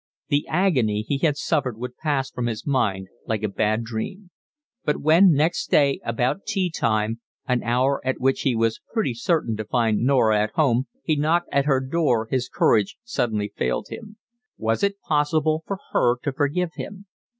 The agony he had suffered would pass from his mind like a bad dream. But when next day, about tea time, an hour at which he was pretty certain to find Norah at home, he knocked at her door his courage suddenly failed him. Was it possible for her to forgive him?